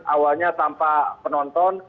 awalnya tanpa penonton